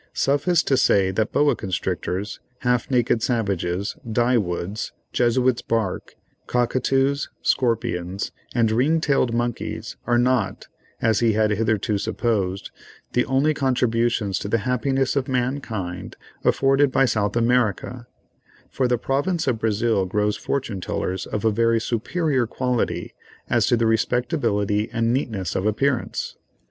Suffice to say that boa constrictors, half naked savages, dye woods, Jesuit's bark, cockatoos, scorpions and ring tailed monkeys, are not, as he had hitherto supposed, the only contributions to the happiness of mankind afforded by South America, for the Province of Brazil grows fortune tellers of a very superior quality as to respectability and neatness of appearance.